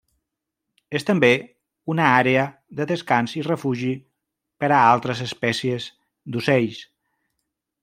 És també una àrea de descans i refugi per a altres espècies d'ocells.